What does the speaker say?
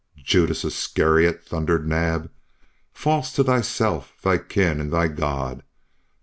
"Judas Iscariot!" thundered Naab. "False to thyself, thy kin, and thy God!